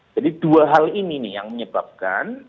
jadi dua hal ini nih yang menyebabkan